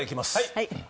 はい。